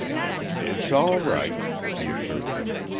"It's all right," he assured them.